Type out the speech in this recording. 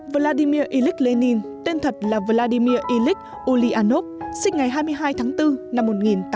vladimir ilyich lenin tên thật là vladimir ilyich ulyanov sinh ngày hai mươi hai tháng bốn năm một nghìn chín trăm tám mươi